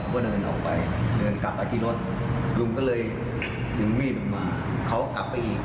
ลุงก็เดินออกไปเดินกลับไปที่รถลุงก็เลยโดนมีดมาเขากลับไปอีก